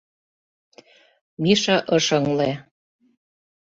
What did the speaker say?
— Миша ыш ыҥле.